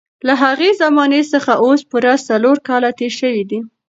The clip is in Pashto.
له هغې زمانې څخه اوس پوره څلور کاله تېر شوي دي.